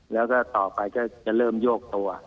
แล้วก็ต่อไปก็จะเริ่มโยกตัว